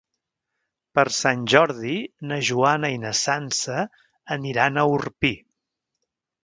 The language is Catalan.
Per Sant Jordi na Joana i na Sança aniran a Orpí.